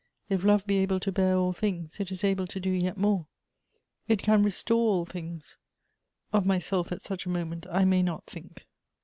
If love be able to bear all things, it is able to do yet more ; it can restore all things : of myself at such a moment I may not think.